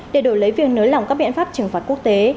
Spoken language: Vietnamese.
để đổi lấy việc nới lỏng các biện pháp trừng phạt quốc tế